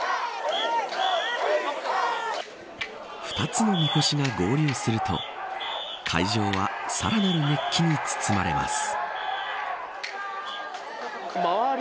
２つのみこしが合流すると会場はさらなる熱気に包まれます。